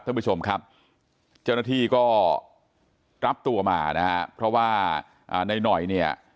ท่านผู้ชมครับเจ้าหน้าที่ก็รับตัวมานะฮะเพราะว่าในหน่อยเนี่ย